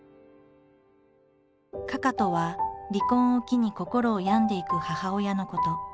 「かか」とは離婚を機に心を病んでいく母親のこと。